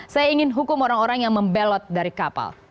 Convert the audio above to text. saya ingin hukum orang orang yang membelot dari kapal